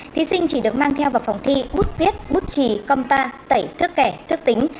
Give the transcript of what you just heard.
thí sinh chỉ được mang theo vào phòng thi bút viết bút trì compa tẩy thước kẻ thước tính